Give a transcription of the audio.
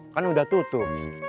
kan udah tutup